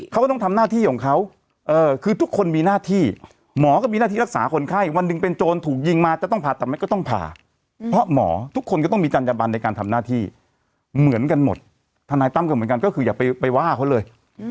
เขาก็ต้องทำหน้าที่ของเขาคือทุกคนมีหน้าที่หมอก็มีหน้าที่รักษาคนไข้วันหนึ่งเป็นโจรถูกยิงมาจะต้องผ่าตัดไหมก็ต้องผ่าเพราะหมอทุกคนก็ต้องมีจัญญบันในการทำหน้าที่เหมือนกันหมดทนายตั้มก็เหมือนกันก็คืออย่าไปว่าเขาเลย